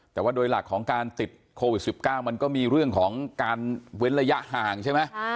แต่ว่าโดยหลักของการติดโควิด๑๙มันก็มีเรื่องของการเว้นระยะห่างใช่ไหม